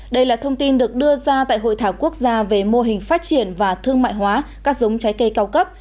đây là thông tin được đưa ra tại hội thảo quốc gia về mô hình phát triển và thương mại hóa các giống trái cây cao cấp